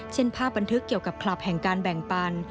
เช่นภาพบันทึกเกี่ยวกับคลับแห่งการแบ่งปัน